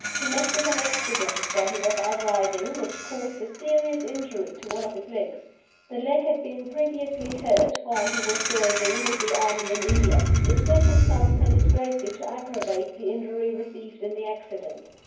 He met with an accident while he was out riding which caused a serious injury to one of his legs. The leg had been previously hurt while he was serving with the army in India. This circumstance tended greatly to aggravate the injury received in the accident.